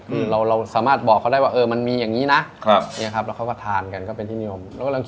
เราสามารถบอกเขาได้ว่ามันมีอย่างนี้นะแล้วเขาก็ทานกันก็เป็นที่นิยม